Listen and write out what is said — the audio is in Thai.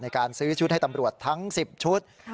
ในการซื้อชุดให้ตำรวจทั้ง๑๐ชุด